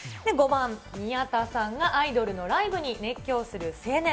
５番、宮田さんがアイドルのライブに熱狂する青年。